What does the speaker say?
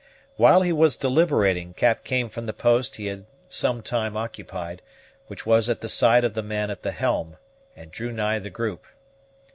While he was deliberating, Cap came from the post he had some time occupied, which was at the side of the man at the helm, and drew nigh the group.